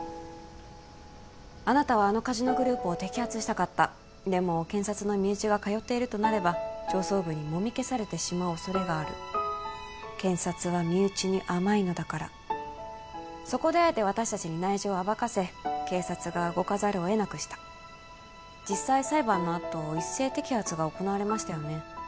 あなたはあのカジノグループを摘発したかったでも検察の身内が通っているとなれば上層部にもみ消されてしまう恐れがある検察は身内に甘いのだからそこであえて私達に内情を暴かせ警察が動かざるを得なくした実際裁判のあと一斉摘発が行われましたよね